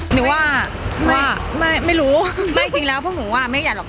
หนูว่าไม่ไม่ไม่รู้ไม่จริงแล้วเพราะหนูว่าไม่ใหญ่หรอก